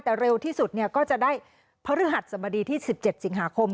แต่เร็วที่สุดก็จะได้พฤหัสสบดีที่๑๗สิงหาคม